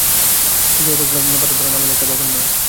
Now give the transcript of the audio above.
কিন্তু এ ঘটনাটা বাঁধা-ধরা মামুলি একটা ব্যাপার নয়।